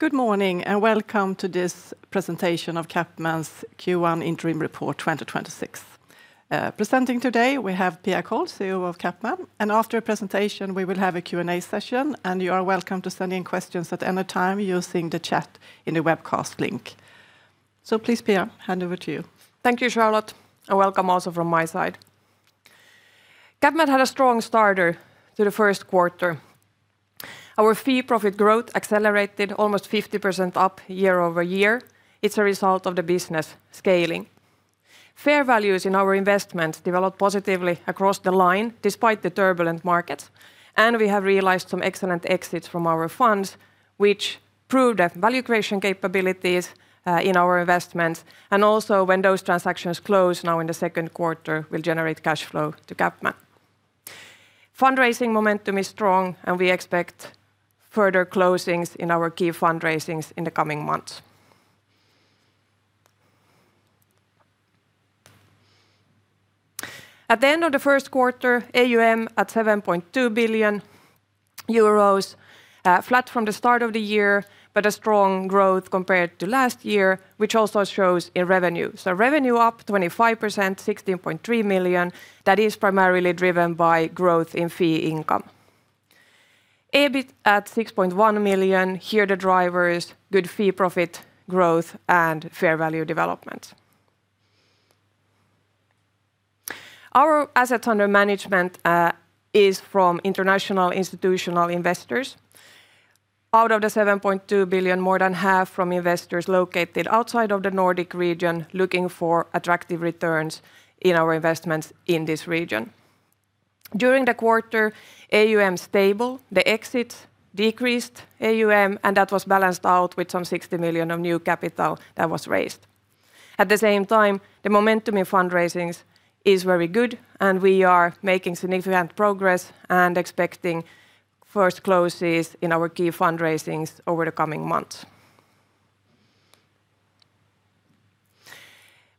Good morning, welcome to this presentation of CapMan's Q1 interim report 2026. Presenting today we have Pia Kåll, CEO of CapMan, after her presentation we will have a Q&A session, you are welcome to send in questions at any time using the chat in the webcast link. Please, Pia, hand over to you. Thank you, Charlotte, and welcome also from my side. CapMan had a strong starter to the first quarter. Our fee profit growth accelerated almost 50% up year-over-year. It's a result of the business scaling. Fair values in our investments developed positively across the line despite the turbulent markets, and we have realized some excellent exits from our funds which prove the value creation capabilities in our investments, and also when those transactions close now in the second quarter will generate cashflow to CapMan. Fundraising momentum is strong, we expect further closings in our key fundraisings in the coming months. At the end of the first quarter, AUM at 7.2 billion euros, flat from the start of the year, a strong growth compared to last year, which also shows in revenue. Revenue up 25%, 16.3 million. That is primarily driven by growth in fee income. EBIT at 6.1 million. Here the drivers, good fee profit growth and fair value developments. Our assets under management is from international institutional investors. Out of the 7.2 billion, more than half from investors located outside of the Nordic region looking for attractive returns in our investments in this region. During the quarter, AUM stable, the exits decreased AUM. That was balanced out with some 60 million of new capital that was raised. At the same time, the momentum in fundraisings is very good. We are making significant progress and expecting first closes in our key fundraisings over the coming months.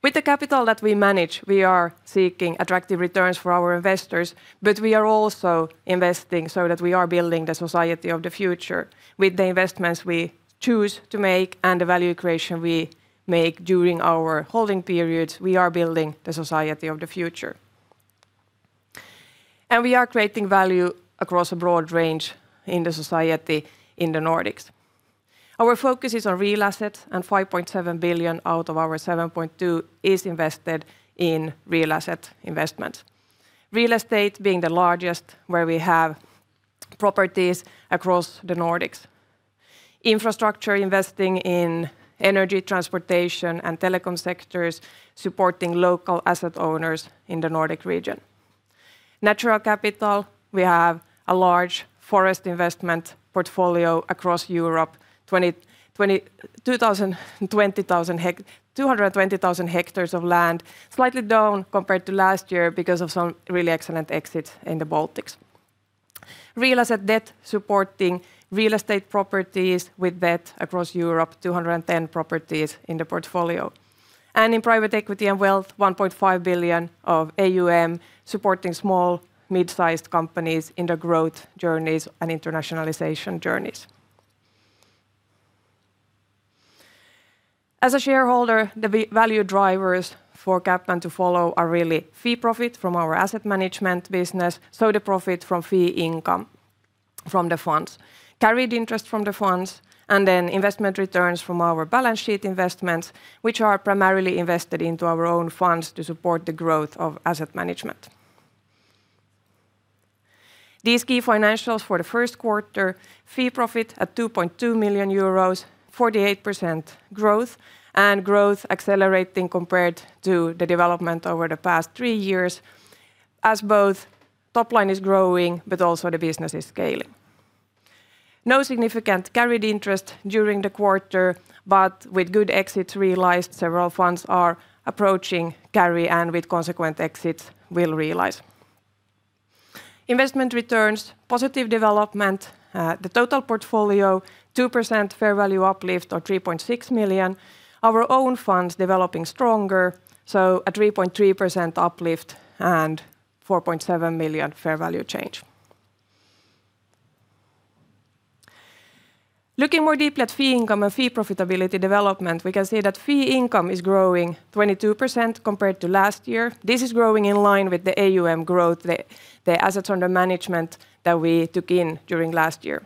With the capital that we manage, we are seeking attractive returns for our investors. We are also investing so that we are building the society of the future. With the investments we choose to make and the value creation we make during our holding periods, we are building the society of the future. We are creating value across a broad range in the society in the Nordics. Our focus is on Real Assets, 5.7 billion out of our 7.2 is invested in Real Asset investment, Real Estate being the largest where we have properties across the Nordics. Infrastructure investing in energy, transportation, and telecom sectors, supporting local asset owners in the Nordic region. Natural Capital, we have a large forest investment portfolio across Europe, 220,000 hectares of land, slightly down compared to last year because of some really excellent exits in the Baltics. Real Asset debt supporting Real Estate properties with debt across Europe, 210 properties in the portfolio. In Private Equity and Wealth, 1.5 billion of AUM supporting small, mid-sized companies in the growth journeys and internationalization journeys. As a shareholder, the value drivers for CapMan to follow are really fee profit from our asset management business, so the profit from fee income from the funds, carried interest from the funds, and then investment returns from our balance sheet investments which are primarily invested into our own funds to support the growth of asset management. These key financials for the first quarter, fee profit at 2.2 million euros, 48% growth, and growth accelerating compared to the development over the past three years as both top line is growing, but also the business is scaling. No significant carried interest during the quarter, but with good exits realized, several funds are approaching carry and with consequent exits will realize. Investment returns, positive development. The total portfolio 2% fair value uplift or 3.6 million. Our own funds developing stronger, so a 3.3% uplift and 4.7 million fair value change. Looking more deeply at fee income and fee profitability development, we can see that fee income is growing 22% compared to last year. This is growing in line with the AUM growth, the assets under management that we took in during last year.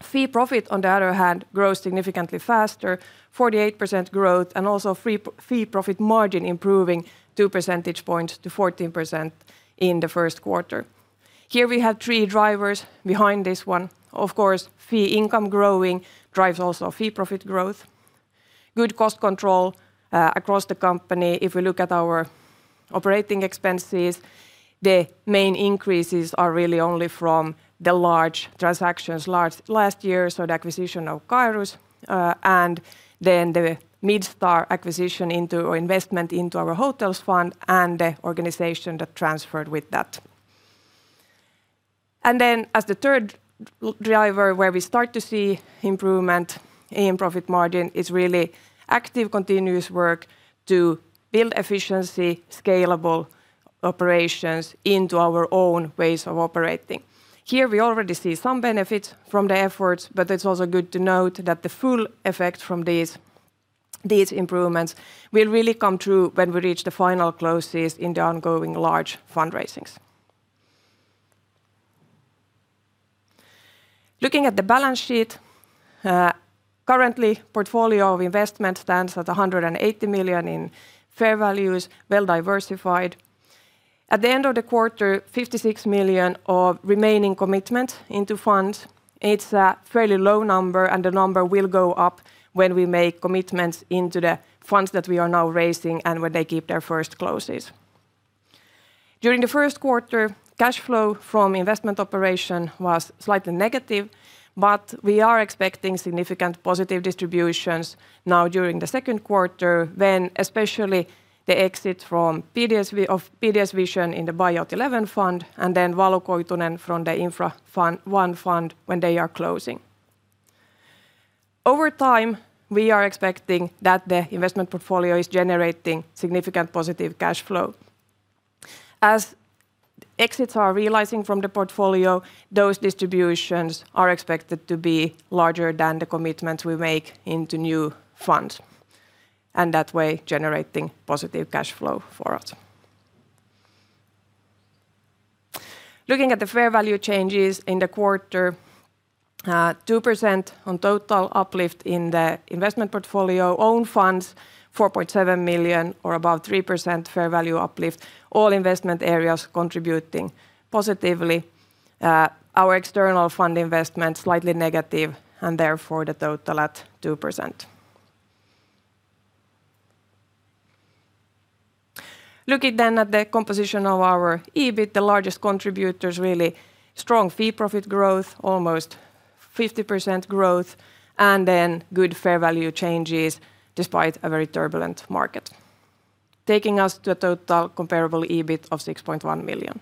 Fee profit, on the other hand, grows significantly faster, 48% growth, and also fee profit margin improving two percentage points to 14% in the first quarter. Here we have 3 drivers behind this one. Of course, fee income growing drives also fee profit growth. Good cost control across the company. If we look at our operating expenses, the main increases are really only from the large transactions last year, so the acquisition of CAERUS, and then the Midstar investment into our hotels fund and the organization that transferred with that. As the third driver where we start to see improvement in profit margin is really active continuous work to build efficiency, scalable operations into our own ways of operating. Here we already see some benefit from the efforts, but it's also good to note that the full effect from these improvements will really come through when we reach the final closes in the ongoing large fundraisings. Looking at the balance sheet, currently portfolio of investment stands at 180 million in fair values, well-diversified. At the end of the quarter, 56 million of remaining commitment into funds. It's a fairly low number, and the number will go up when we make commitments into the funds that we are now raising and when they keep their first closes. During the first quarter, cash flow from investment operation was slightly negative. We are expecting significant positive distributions now during the second quarter when especially the exit from PDSVISION in the Buyout XI fund, and then Valokuitunen from the CapMan Nordic Infrastructure I fund when they are closing. Over time, we are expecting that the investment portfolio is generating significant positive cash flow. As exits are realizing from the portfolio, those distributions are expected to be larger than the commitments we make into new funds, and that way generating positive cash flow for us. Looking at the fair value changes in the quarter, 2% on total uplift in the investment portfolio. Own funds, 4.7 million or about 3% fair value uplift. All investment areas contributing positively. Our external fund investment slightly negative, therefore the total at 2%. Looking at the composition of our EBIT, the largest contributors really strong fee profit growth, almost 50% growth, and then good fair value changes despite a very turbulent market, taking us to a total comparable EBIT of 6.1 million.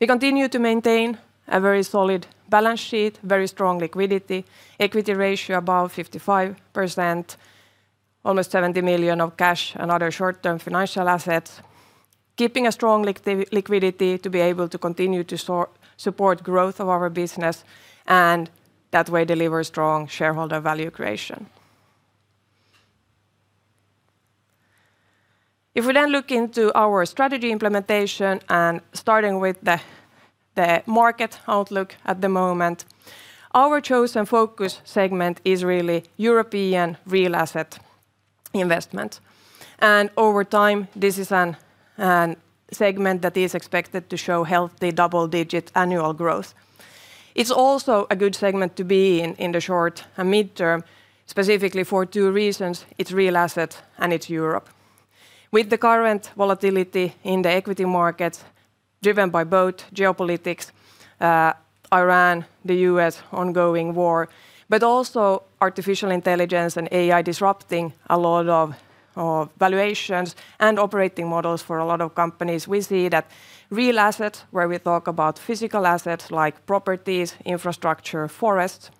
We continue to maintain a very solid balance sheet, very strong liquidity, equity ratio above 55%, almost 70 million of cash and other short-term financial assets, keeping a strong liquidity to be able to continue to support growth of our business, and that way deliver strong shareholder value creation. If we look into our strategy implementation and starting with the market outlook at the moment, our chosen focus segment is really European Real Asset investment. Over time, this is an segment that is expected to show healthy double-digit annual growth. It's also a good segment to be in the short and midterm, specifically for two reasons: it's Real Asset, and it's Europe. With the current volatility in the equity market driven by both geopolitics, Iran, the U.S. ongoing war, also artificial intelligence and AI disrupting a lot of valuations and operating models for a lot of companies, we see that Real Assets, where we talk about physical assets like properties, Infrastructure, forests,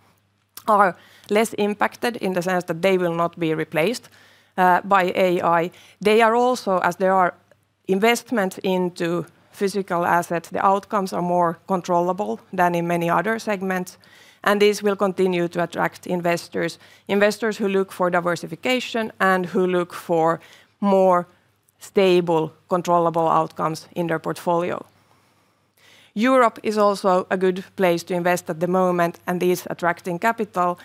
are less impacted in the sense that they will not be replaced by AI. They are also, as they are investment into physical assets, the outcomes are more controllable than in many other segments, and this will continue to attract investors who look for diversification and who look for more stable, controllable outcomes in their portfolio. Europe is also a good place to invest at the moment, is attracting capital.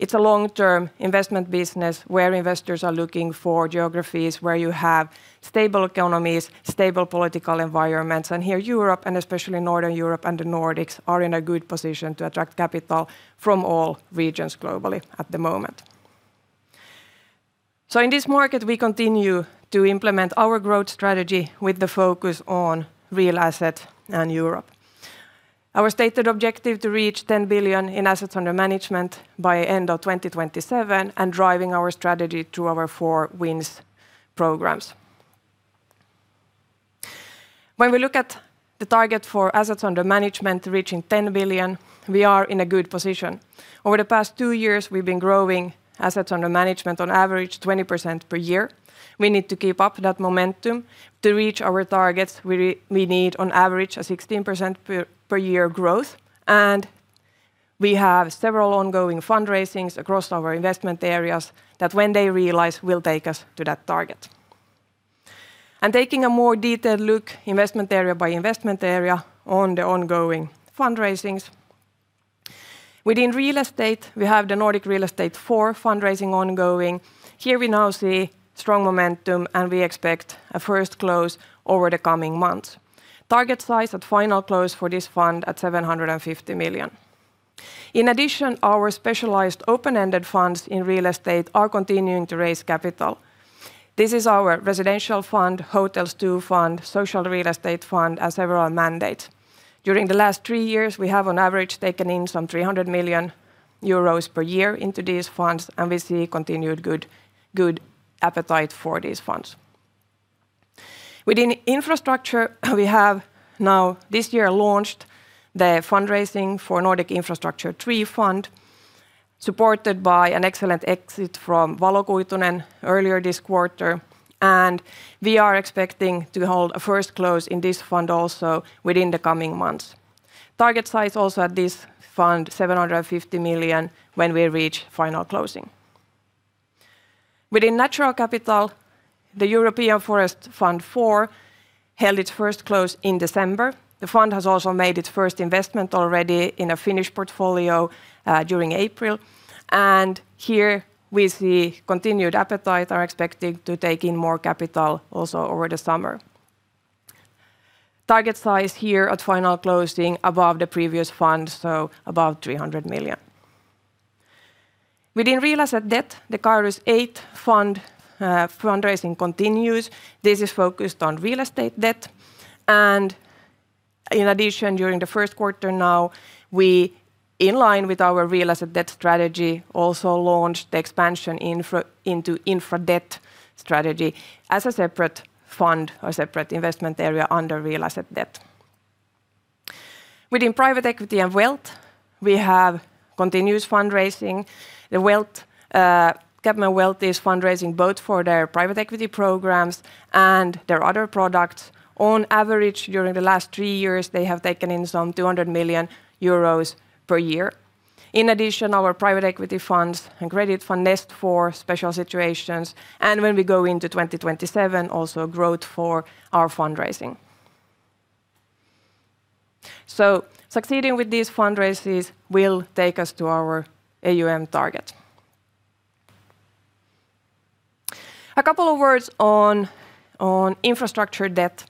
It's a long-term investment business where investors are looking for geographies where you have stable economies, stable political environments, here Europe, and especially Northern Europe and the Nordics, are in a good position to attract capital from all regions globally at the moment. In this market, we continue to implement our growth strategy with the focus on Real Asset and Europe. Our stated objective to reach 10 billion in assets under management by end of 2027 driving our strategy through our Four Wins programs. When we look at the target for assets under management reaching 10 billion, we are in a good position. Over the past two years, we've been growing assets under management on average 20% per year. We need to keep up that momentum. To reach our targets, we need on average a 16% per year growth, and we have several ongoing fundraisings across our investment areas that when they realize will take us to that target. Taking a more detailed look investment area by investment area on the ongoing fundraisings. Within Real Estate, we have the Nordic Real Estate IV fundraising ongoing. Here we now see strong momentum, and we expect a first close over the coming months. Target size at final close for this fund at 750 million. In addition, our specialized open-ended funds in Real Estate are continuing to raise capital. This is our residential fund, CapMan Hotels II fund, social Real Estate fund, and several mandates. During the last three years, we have on average taken in some 300 million euros per year into these funds, and we see continued good appetite for these funds. Within Infrastructure, we have now this year launched the fundraising for CapMan Nordic Infrastructure III fund, supported by an excellent exit from Valokuitunen earlier this quarter, and we are expecting to hold a first close in this fund also within the coming months. Target size also at this fund 750 million when we reach final closing. Within Natural Capital, the CapMan Dasos European Forest Fund IV held its first close in December. The fund has also made its first investment already in a Finnish portfolio during April. Here we see continued appetite, are expecting to take in more capital also over the summer. Target size here at final closing above the previous fund, so above 300 million. Within Real Asset Debt, the Caerus VIII fund fundraising continues. This is focused on Real Estate debt, and in addition, during the first quarter now, we, in line with our Real Asset debt strategy, also launched the expansion into Infra debt strategy as a separate fund or separate investment area under Real Asset debt. Within Private Equity and Wealth, we have continuous fundraising. The Wealth, CapMan Wealth is fundraising both for their Private Equity programs and their other products. On average, during the last three years, they have taken in some 200 million euros per year. In addition, our Private Equity funds and credit fund Nest Capital for special situations, and when we go into 2027, also growth for our fundraising. Succeeding with these fundraises will take us to our AUM target. A couple of words on Infrastructure debt,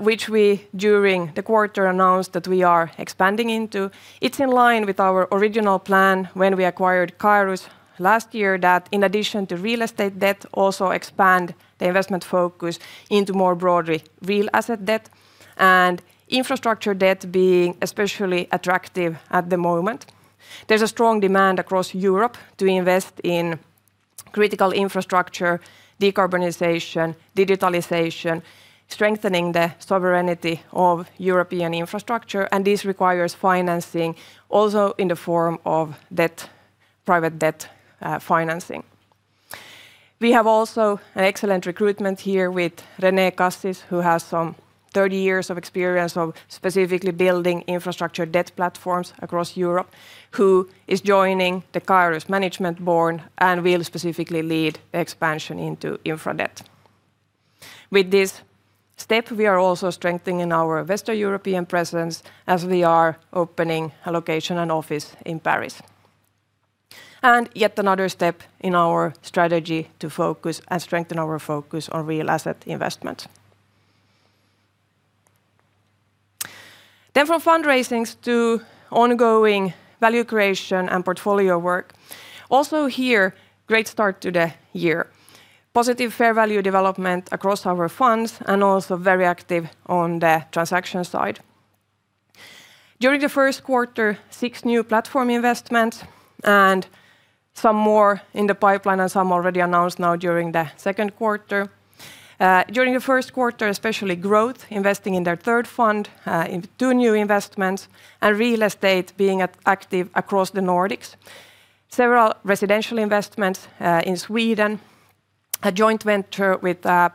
which we during the quarter announced that we are expanding into. It's in line with our original plan when we acquired CAERUS last year that in addition to Real Estate debt, also expand the investment focus into more broadly Real Asset debt and Infrastructure debt being especially attractive at the moment. There's a strong demand across Europe to invest in critical Infrastructure, decarbonization, digitalization, strengthening the sovereignty of European Infrastructure, and this requires financing also in the form of debt, private debt financing. We have also an excellent recruitment here with René Kassis, who has some 30 years of experience of specifically building Infrastructure debt platforms across Europe, who is joining the CAERUS management board and will specifically lead expansion into Infra debt. With this step, we are also strengthening our Western European presence as we are opening a location and office in Paris. Yet another step in our strategy to focus and strengthen our focus on Real Asset investment. From fundraisings to ongoing value creation and portfolio work. Also here, great start to the year. Positive fair value development across our funds and also very active on the transaction side. During the first quarter, six new platform investments and some more in the pipeline and some already announced now during the second quarter. During the first quarter, especially growth, investing in their third fund, in two new investments, and Real Estate being active across the Nordics. Several residential investments in Sweden, a joint venture with a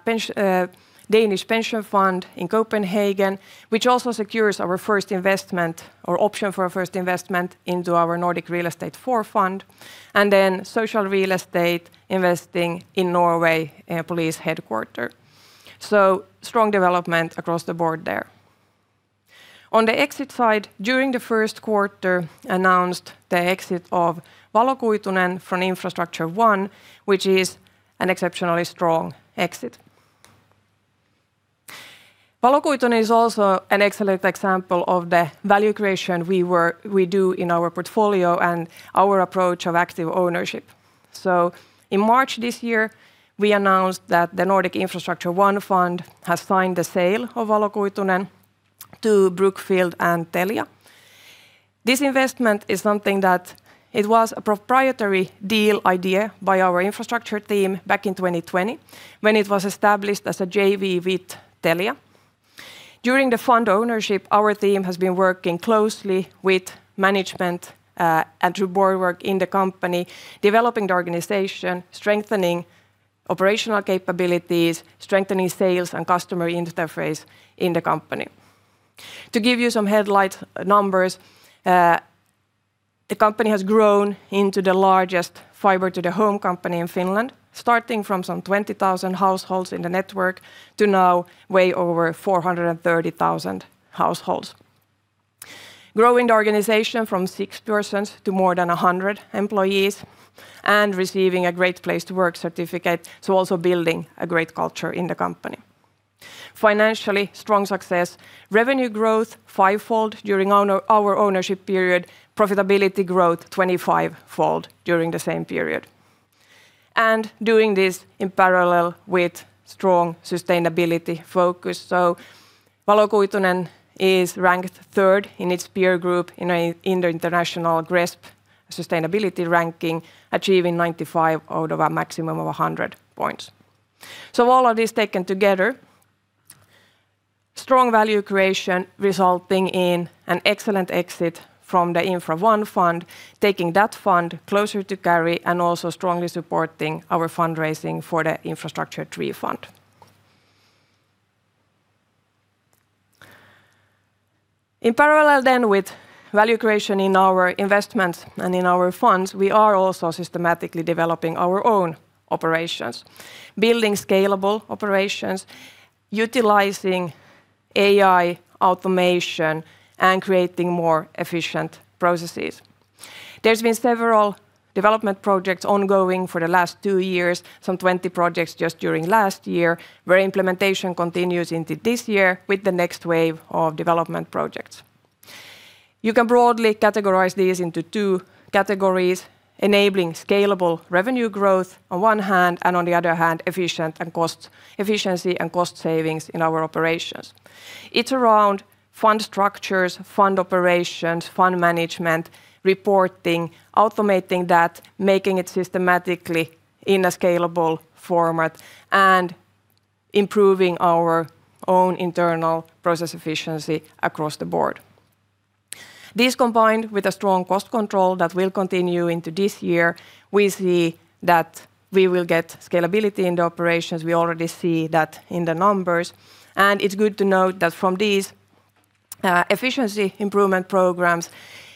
Danish pension fund in Copenhagen, which also secures our first investment or option for our first investment into our Nordic Real Estate IV fund, and then social Real Estate investing in Norway police headquarters. Strong development across the board there. On the exit side, during the first quarter, announced the exit of Valokuitunen from Infrastructure I, which is an exceptionally strong exit. Valokuitunen is also an excellent example of the value creation we do in our portfolio and our approach of active ownership. In March this year, we announced that the Nordic Infrastructure I fund has signed the sale of Valokuitunen to Brookfield and Telia. This investment is something that it was a proprietary deal idea by our Infrastructure team back in 2020 when it was established as a JV with Telia. During the fund ownership, our team has been working closely with management, and through board work in the company, developing the organization, strengthening operational capabilities, strengthening sales and customer interface in the company. To give you some headlight numbers, the company has grown into the largest fiber to the home company in Finland, starting from some 20,000 households in the network to now way over 430,000 households. Growing the organization from six persons to more than 100 employees and receiving a Great Place to Work certificate, so also building a great culture in the company. Financially, strong success. Revenue growth fivefold during our ownership period, profitability growth 25-fold during the same period. Doing this in parallel with strong sustainability focus. Valokuitunen is ranked third in its peer group in the international GRESB sustainability ranking, achieving 95 out of a maximum of 100 points. All of this taken together, strong value creation resulting in an excellent exit from the Infra I fund, taking that fund closer to carry and also strongly supporting our fundraising for the Infrastructure III fund. In parallel with value creation in our investments and in our funds, we are also systematically developing our own operations, building scalable operations, utilizing AI automation, and creating more efficient processes. There's been several development projects ongoing for the last two years, some 20 projects just during last year, where implementation continues into this year with the next wave of development projects. You can broadly categorize these into two categories: enabling scalable revenue growth on one hand and, on the other hand, efficient and cost savings in our operations. It's around fund structures, fund operations, fund management, reporting, automating that, making it systematically in a scalable format, and improving our own internal process efficiency across the board. This combined with a strong cost control that will continue into this year, we see that we will get scalability in the operations. We already see that in the numbers, and it's good to note that from these efficiency improvement programs,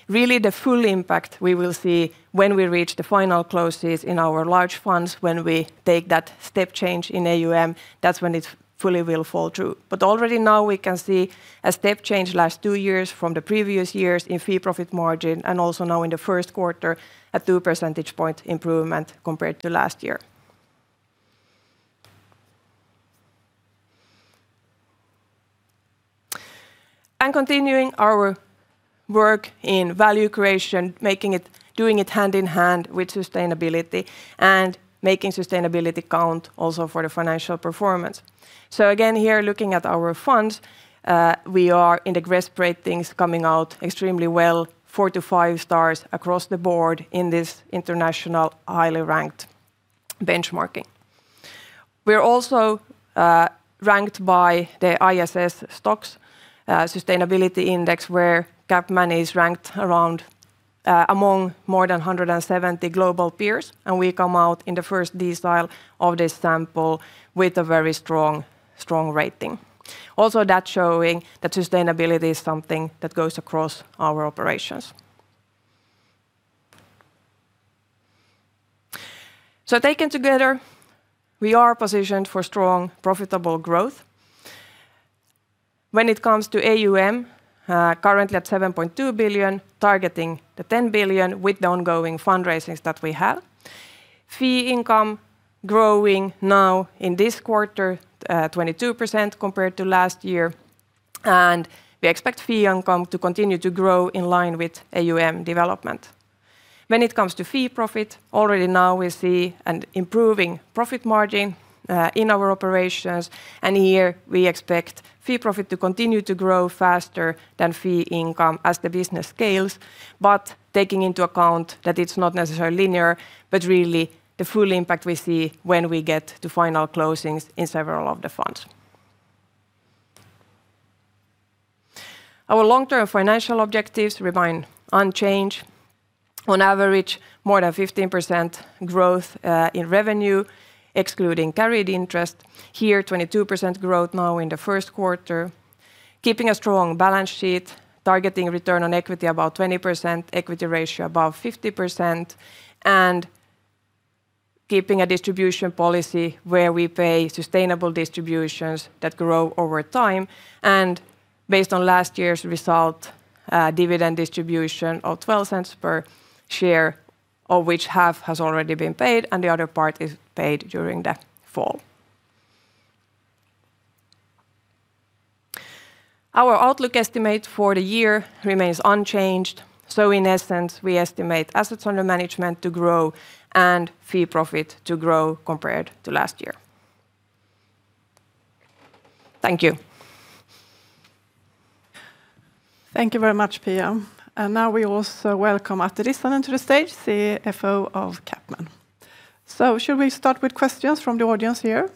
really the full impact we will see when we reach the final closes in our large funds, when we take that step change in AUM. That's when it fully will fall through. Already now we can see a step change last two years from the previous years in fee profit margin and also now in the first quarter, a 2 percentage point improvement compared to last year. Continuing our work in value creation, doing it hand in hand with sustainability and making sustainability count also for the financial performance. Again, here, looking at our funds, we are in the GRESB ratings coming out extremely well, four to five stars across the board in this international highly ranked benchmarking. We are also ranked by the ISS STOXX sustainability index, where CapMan is ranked among more than 170 global peers, and we come out in the first decile of this sample with a very strong rating. Also that showing that sustainability is something that goes across our operations. Taken together, we are positioned for strong, profitable growth. When it comes to AUM, currently at 7.2 billion, targeting 10 billion with the ongoing fundraisings that we have. Fee income growing now in this quarter, 22% compared to last year, we expect fee income to continue to grow in line with AUM development. When it comes to fee profit, already now we see an improving profit margin, in our operations, here we expect fee profit to continue to grow faster than fee income as the business scales. Taking into account that it's not necessarily linear, but really the full impact we see when we get to final closings in several of the funds. Our long-term financial objectives remain unchanged. On average, more than 15% growth, in revenue, excluding carried interest. Here, 22% growth now in the first quarter. Keeping a strong balance sheet, targeting return on equity about 20%, equity ratio above 50%, and keeping a distribution policy where we pay sustainable distributions that grow over time and based on last year's result, dividend distribution of 0.12 per share, of which half has already been paid and the other part is paid during the fall. Our outlook estimate for the year remains unchanged. In essence, we estimate assets under management to grow and fee profit to grow compared to last year. Thank you. Thank you very much, Pia. Now we also welcome Atte Rissanen to the stage, CFO of CapMan. Should we start with questions from the audience here? Hi,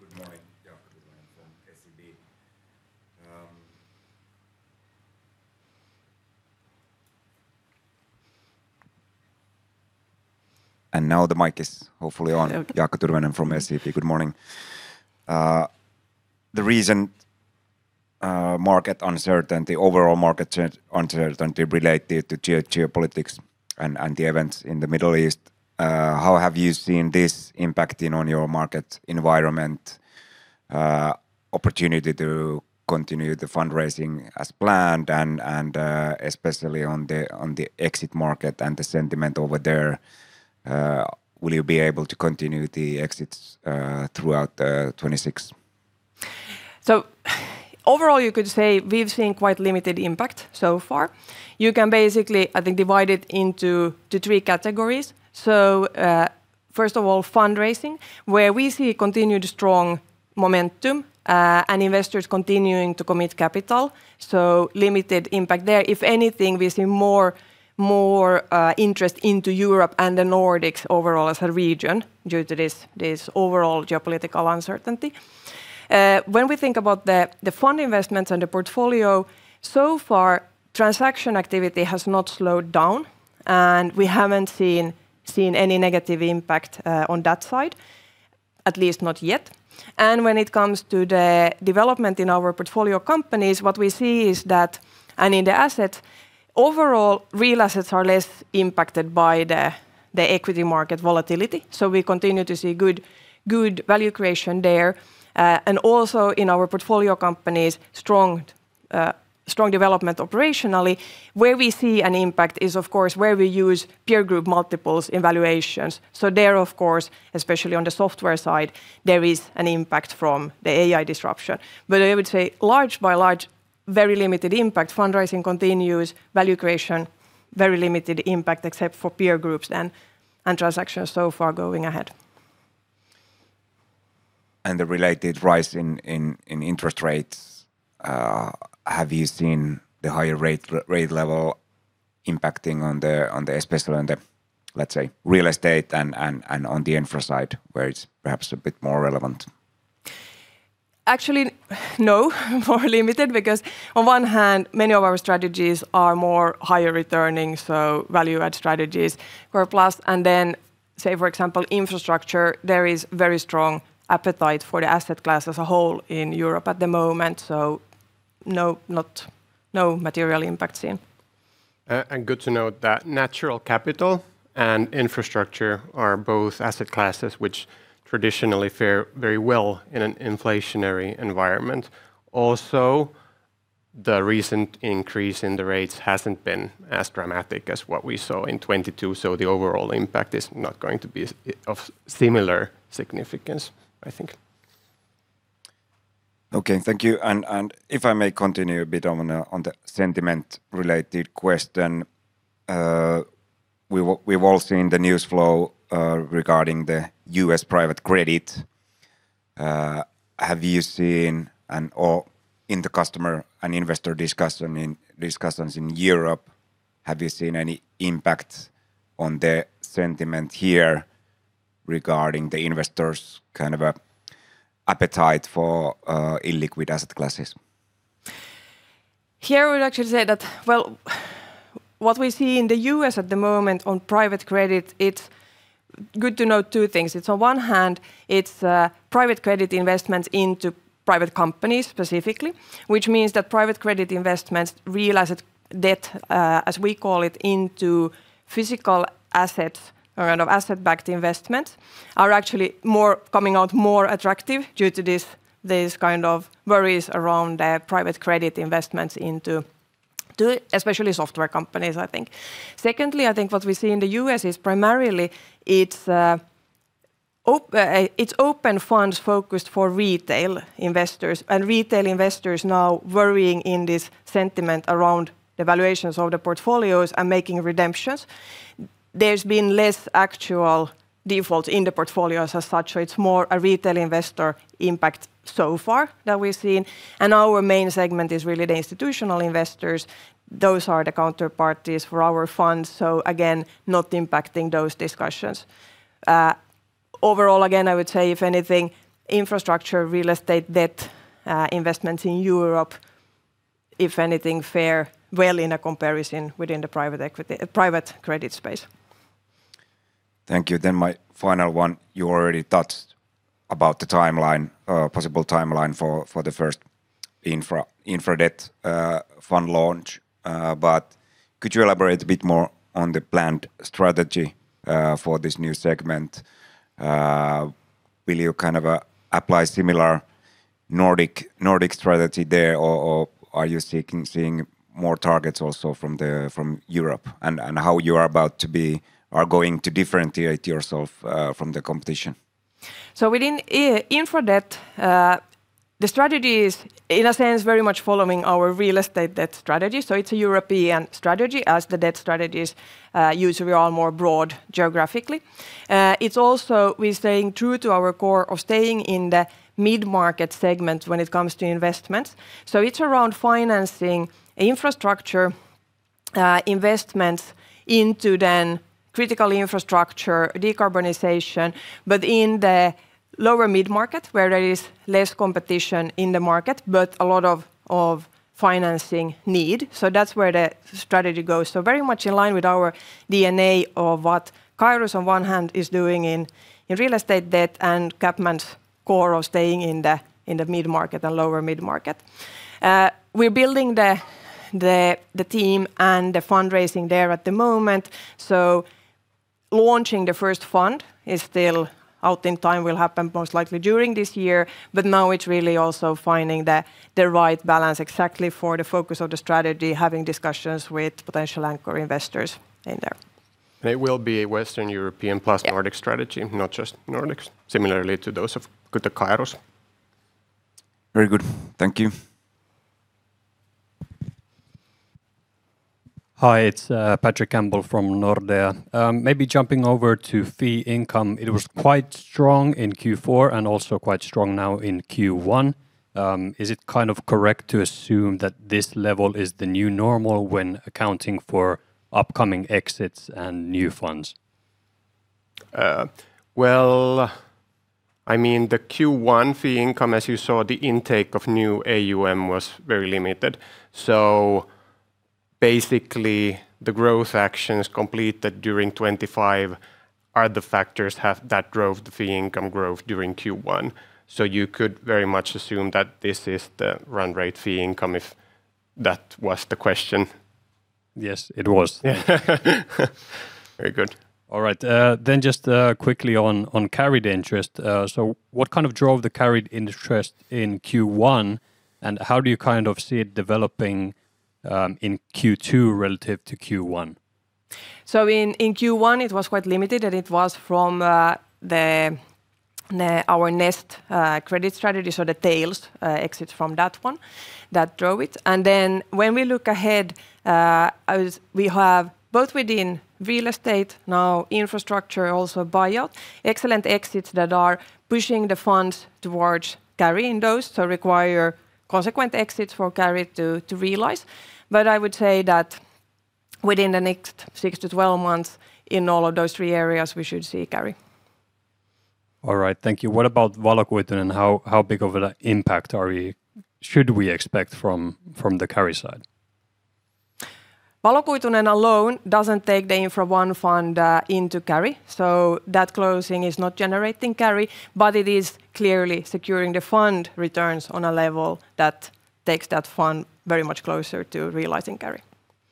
good morning. Jaakko Tyrväinen from SEB. Now the mic is hopefully on. Okay. Jaakko Tyrväinen from SEB. Good morning. The recent market uncertainty, overall market uncertainty related to geopolitics and the events in the Middle East, how have you seen this impacting on your market environment, opportunity to continue the fundraising as planned and especially on the exit market and the sentiment over there? Will you be able to continue the exits throughout 2026? Overall, you could say we've seen quite limited impact so far. You can basically, I think, divide it into three categories. First of all, fundraising, where we see continued strong momentum, and investors continuing to commit capital, so limited impact there. If anything, we see more interest into Europe and the Nordics overall as a region due to this overall geopolitical uncertainty. When we think about the fund investments and the portfolio, so far transaction activity has not slowed down, and we haven't seen any negative impact on that side, at least not yet. When it comes to the development in our portfolio companies, what we see is that, and in the assets, overall Real Assets are less impacted by the equity market volatility, so we continue to see good value creation there. Also in our portfolio companies, strong development operationally. Where we see an impact is, of course, where we use peer group multiples evaluations. There, of course, especially on the software side, there is an impact from the AI disruption. I would say large by large, very limited impact. Fundraising continues. Value creation, very limited impact except for peer groups and transactions so far going ahead. The related rise in interest rates, have you seen the higher rate level impacting on the, especially on the, let's say, Real Estate and on the Infra side, where it's perhaps a bit more relevant? Actually, no. More limited because on one hand, many of our strategies are more higher returning, value add strategies. We're plus, say, for example, Infrastructure, there is very strong appetite for the asset class as a whole in Europe at the moment, no, not, no material impact seen. Good to note that Natural Capital and Infrastructure are both asset classes which traditionally fare very well in an inflationary environment. The recent increase in the rates hasn't been as dramatic as what we saw in 2022, the overall impact is not going to be of similar significance, I think. Okay, thank you. If I may continue a bit on the sentiment related question, we've all seen the news flow regarding the U.S. private credit. Have you seen an or in the customer and investor discussions in Europe, have you seen any impact on the sentiment here regarding the investors' kind of appetite for illiquid asset classes? Here I would actually say that, well, what we see in the U.S. at the moment on private credit, it's good to note two things. It's on one hand, it's private credit investments into private companies specifically, which means that private credit investments realize that, as we call it, into physical assets or kind of asset-backed investments are actually more, coming out more attractive due to this, these kind of worries around the private credit investments into especially software companies, I think. I think what we see in the U.S. is primarily it's open funds focused for retail investors. Retail investors now worrying in this sentiment around the valuations of the portfolios and making redemptions. There's been less actual defaults in the portfolios as such, it's more a retail investor impact so far that we've seen. Our main segment is really the institutional investors. Those are the counterparties for our funds, so again, not impacting those discussions. Overall, again, I would say if anything, Infrastructure, Real Estate debt, investments in Europe, if anything, fare well in a comparison within the Private Equity, Private Credit space. Thank you. My final one, you already talked about the timeline, possible timeline for the first Infra debt fund launch. Could you elaborate a bit more on the planned strategy for this new segment? Will you kind of apply similar Nordic strategy there, or are you seeing more targets also from Europe, and how you are going to differentiate yourself from the competition? Within Infra debt, the strategy is, in a sense, very much following our Real Estate debt strategy. It's a European strategy, as the debt strategies usually are more broad geographically. It's also we're staying true to our core of staying in the mid-market segment when it comes to investments. It's around financing Infrastructure investments into then critical Infrastructure, decarbonization, but in the lower mid-market where there is less competition in the market but a lot of financing need. That's where the strategy goes. Very much in line with our DNA of what CAERUS on one hand is doing in Real Estate debt and CapMan's core of staying in the mid-market and lower mid-market. We're building the team and the fundraising there at the moment, so launching the first fund is still out in time, will happen most likely during this year. Now it's really also finding the right balance exactly for the focus of the strategy, having discussions with potential anchor investors in there. It will be a Western European plus Nordic strategy, not just Nordics, similarly to those of CAERUS. Very good. Thank you. Hi, it's Patrick Campbell from Nordea. maybe jumping over to fee income, it was quite strong in Q4 and also quite strong now in Q1. is it kind of correct to assume that this level is the new normal when accounting for upcoming exits and new funds? Well, I mean, the Q1 fee income, as you saw, the intake of new AUM was very limited. Basically the growth actions completed during 2025 are the factors that drove the fee income growth during Q1. You could very much assume that this is the run rate fee income, if that was the question. Yes, it was. Very good. All right. Just quickly on carried interest, what kind of drove the carried interest in Q1, and how do you kind of see it developing in Q2 relative to Q1? In Q1 it was quite limited, and it was from our Nest credit strategy, so the tails, exits from that one that drove it. When we look ahead, as we have both within Real Estate, now Infrastructure, also buyout, excellent exits that are pushing the funds towards carrying those, so require consequent exits for carry to realize. I would say that within the next six to 12 months in all of those three areas we should see carry. All right. Thank you. What about Valokuitunen, and how big of a impact should we expect from the carry side? Valokuitunen alone doesn't take the Infrastructure I fund into carry, so that closing is not generating carry, but it is clearly securing the fund returns on a level that takes that fund very much closer to realizing carry.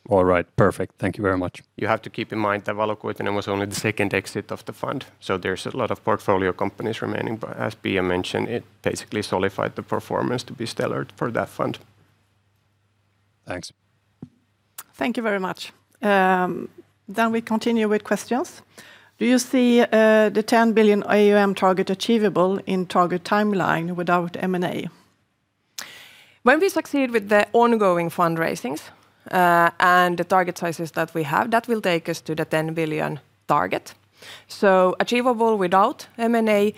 All right. Perfect. Thank you very much. You have to keep in mind that Valokuitunen was only the second exit of the fund, so there's a lot of portfolio companies remaining. As Pia mentioned, it basically solidified the performance to be stellar for that fund. Thanks. Thank you very much. We continue with questions. Do you see the 10 billion AUM target achievable in target timeline without M&A? When we succeed with the ongoing fundraisings, and the target sizes that we have, that will take us to the 10 billion target. Achievable without M&A.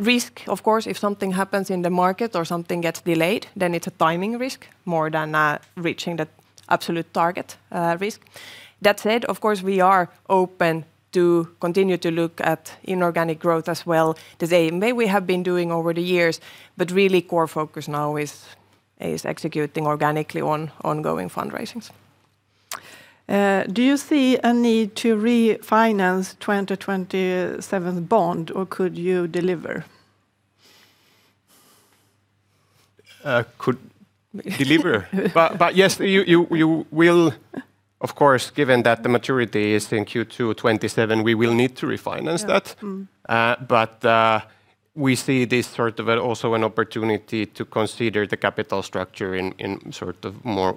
Risk, of course, if something happens in the market or something gets delayed, then it's a timing risk more than a reaching the absolute target, risk. That said, of course, we are open to continue to look at inorganic growth as well. The same way we have been doing over the years, but really core focus now is executing organically on ongoing fundraisings. Do you see a need to refinance 2027 bond, or could you deliver? Yes, you will, of course, given that the maturity is in Q2 2027, we will need to refinance that. Yeah. We see this sort of a also an opportunity to consider the capital structure in sort of more,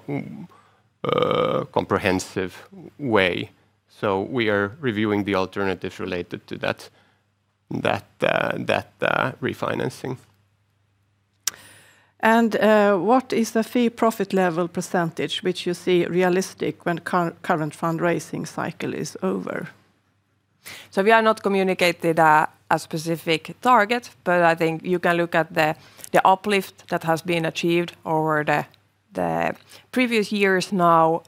comprehensive way. We are reviewing the alternatives related to that refinancing. What is the fee profit level percentage which you see realistic when current fundraising cycle is over? We are not communicated a specific target, but I think you can look at the uplift that has been achieved over the previous years now.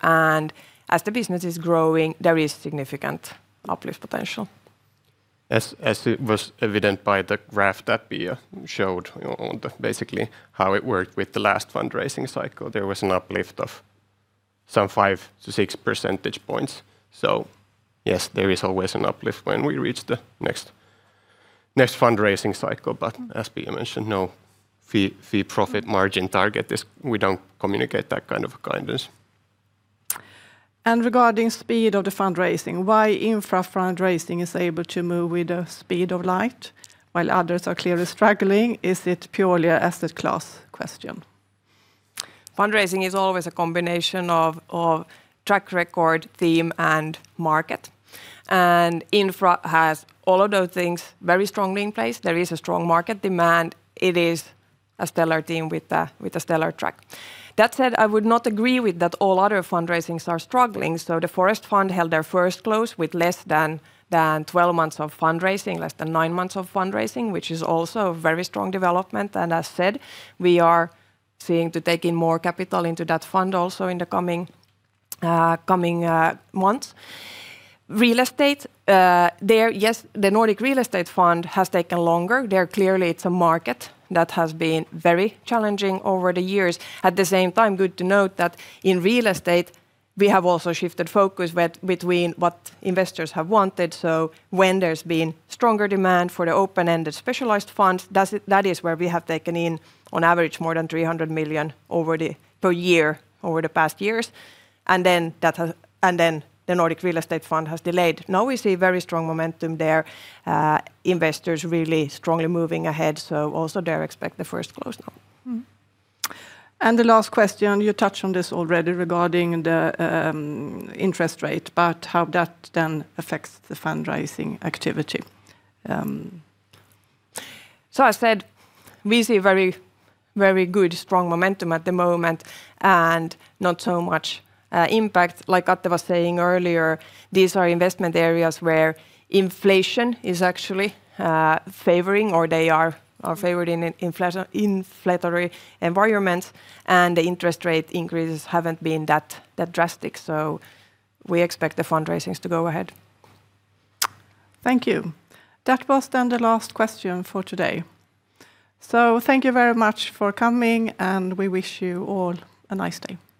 As the business is growing, there is significant uplift potential. As it was evident by the graph that Pia showed on the basically how it worked with the last fundraising cycle. There was an uplift of some five to six percentage points. Yes, there is always an uplift when we reach the next fundraising cycle. As Pia mentioned, we don't communicate that kind of guidance. Regarding speed of the fundraising, why Infra fundraising is able to move with the speed of light while others are clearly struggling? Is it purely an asset class question? Fundraising is always a combination of track record, theme, and market, Infra has all of those things very strongly in place. There is a strong market demand. It is a stellar team with a stellar track. That said, I would not agree with that all other fundraisings are struggling. The Forest Fund held their first close with less than 12 months of fundraising, less than nine months of fundraising, which is also very strong development. As said, we are seeing to take in more capital into that fund also in the coming coming months. Real Estate, there, yes, the Nordic Real Estate Fund has taken longer. There clearly it's a market that has been very challenging over the years. At the same time, good to note that in Real Estate we have also shifted focus between what investors have wanted. When there's been stronger demand for the open-ended specialized funds, that is where we have taken in on average more than 300 million per year over the past years, and then the Nordic Real Estate Fund has delayed. We see very strong momentum there, investors really strongly moving ahead, so also there expect the first close now. The last question, you touched on this already regarding the interest rate, but how that then affects the fundraising activity? As said, we see very, very good strong momentum at the moment and not so much impact. Like Atte was saying earlier, these are investment areas where inflation is actually favoring, or they are favored in an inflationary environment, and the interest rate increases haven't been that drastic. We expect the fundraisings to go ahead. Thank you. That was then the last question for today. Thank you very much for coming, and we wish you all a nice day. Thank you.